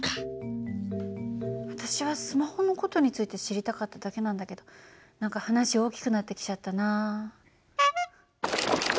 私はスマホの事について知りたかっただけなんだけど何か話大きくなってきちゃったな。